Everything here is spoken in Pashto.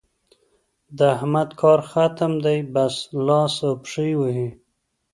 د احمد کار ختم دی؛ بس لاس او پښې وهي.